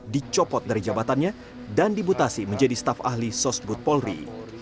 dicopot dari jabatannya dan dimutasi menjadi staf ahli sosbud polri